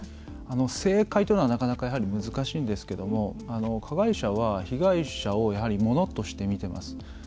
正解というのは、なかなかやはり難しいんですけども加害者は被害者をやはり物として見てます。